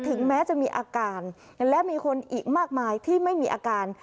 ถึงแม้จะมีอาการและมีคนอีกมากมายที่ไม่มีอาการ